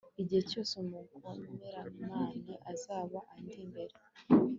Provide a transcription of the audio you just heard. igihe cyose umugomeramana azaba andi imbere